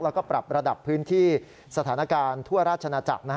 แล้วก็ปรับระดับพื้นที่สถานการณ์ทั่วราชนาจักร